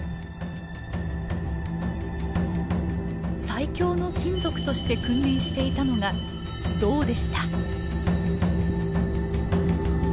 最強の金属として君臨していたのが銅でした。